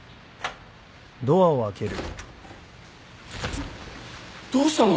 ちょっどうしたの？